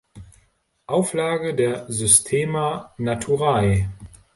Auflage der Systema Naturae.